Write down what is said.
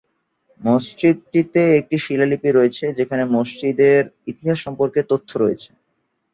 মসজিদটিতে একটি শিলালিপি রয়েছে, যেখানে মসজিদের ইতিহাস সম্পর্কে তথ্য রয়েছে।